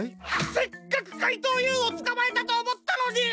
せっかくかいとうＵをつかまえたとおもったのに！